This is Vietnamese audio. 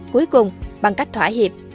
cuối cùng bằng cách thỏa hiệp